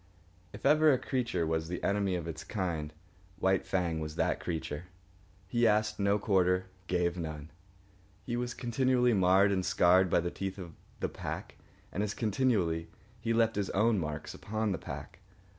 If ever a creature was the enemy of its kind, White Fang was that creature. He asked no quarter, gave none. He was continually marred and scarred by the teeth of the pack, and as continually he left his own marks upon the pack.